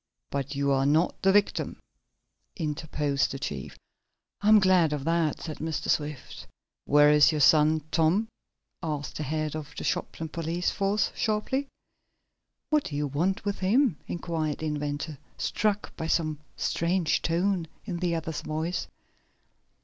"But you are not the victim," interposed the chief. "I'm glad of that," said Mr. Swift. "Where is your son, Tom?" asked the head of the Shopton police force, sharply. "What do you want with him?" inquired the inventor, struck by some strange tone in the other's voice.